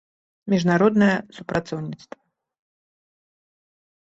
Мiжнароднае супрацоўнiцтва